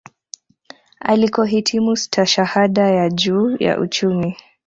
Alikohitimu stashahada ya juu ya uchumi